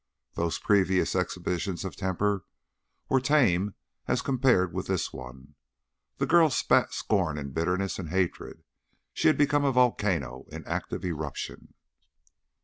Those previous exhibitions of temper were tame as compared with this one; the girl spat scorn and bitterness and hatred; she became a volcano in active eruption.